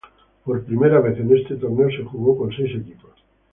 Por primera vez en este torneo se jugó con seis equipos.